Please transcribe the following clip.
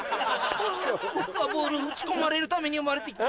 僕はボール打ち込まれるために生まれて来た。